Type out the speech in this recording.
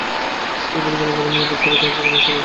শ্রীপুরের জমিদারের মেয়ে বোধ করি তাহাকে কুপরামর্শ দিয়া থাকিবে।